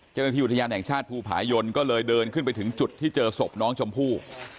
เจ้าหน้าที่อุทยานแห่งชาติภูผายนก็เลยเดินขึ้นไปถึงจุดที่เจอศพน้องชมพู่